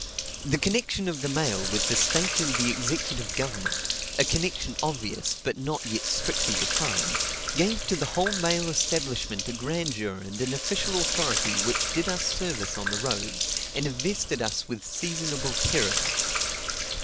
The connection of the mail with the state and the executive government a connection obvious, but yet not strictly defined gave to the whole mail establishment a grandeur and an official authority which did us service on the roads, and invested us with seasonable terrors.